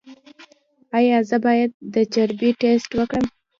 ایا زه باید د چربي ټسټ وکړم؟